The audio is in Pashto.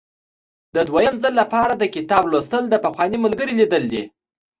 د دوهم ځل لپاره د کتاب لوستل د پخواني ملګري لیدل دي.